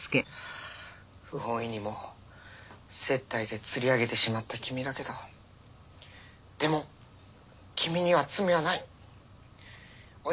不本意にも接待で釣り上げてしまったキミだけどでもキミには罪はない。